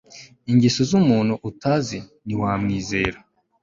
Ingeso z umuntu utazi ntiwamwizera